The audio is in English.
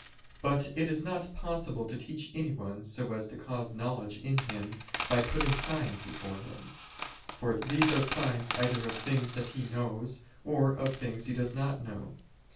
But it is not possible to teach anyone so as to cause knowledge in him, by putting signs before him. For these are signs either of things that he knows, or of things he does not know.